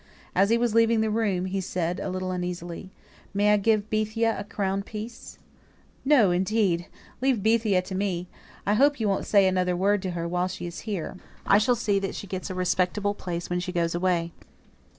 As he was leaving the room, he said, a little uneasily, "May I give Bethia a crown piece?" "No, indeed! Leave Bethia to me. I hope you won't say another word to her while she's here. I shall see that she gets a respectable place when she goes away."